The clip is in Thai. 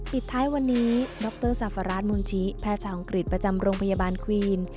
ปิดท้ายวันนี้ดรซาฟาราชมูลชิแพทย์ชาวอังกฤษประจำโรงพยาบาลควีน